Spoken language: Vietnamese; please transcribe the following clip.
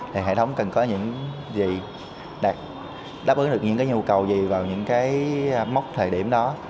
thì hệ thống cần có những gì đạt đáp ứng được những nhu cầu gì vào những mốc thời điểm đó